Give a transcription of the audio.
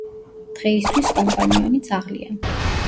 დღეისთვის კომპანიონი ძაღლია.